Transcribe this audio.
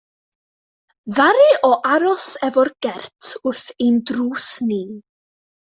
Ddaru o aros efo'i gert wrth ein drws ni.